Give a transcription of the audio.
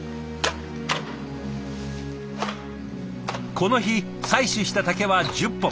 この日採取した竹は１０本。